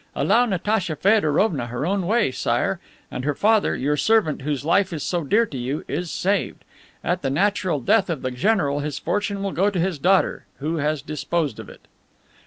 Allow Natacha Feodorovna her own way, Sire! And her father, your servant, whose life is so dear to you, is saved. At the natural death of the general his fortune will go to his daughter, who has disposed of it."